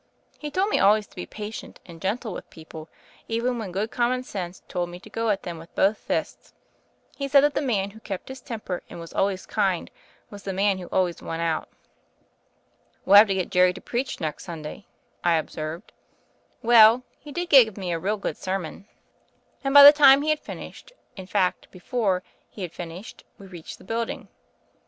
He told me al ways to be patient and gentle with people even when good common sense told me to go at them with both fists. He said that the man who kept his temper and was always kind was the man who always won out." "W'^'ll have to get Jerry to preach next Sun day,'* I observed. ^^ell, he did give me a real good sermon; \ 58 THE FAIRY OF THE SNOWS and by the time he had finished, in fact, before he had finished, we reached the building.